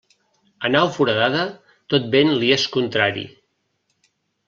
A nau foradada, tot vent li és contrari.